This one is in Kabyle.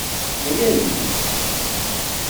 Ɣlayit.